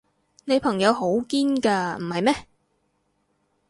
你朋友好堅㗎，唔係咩？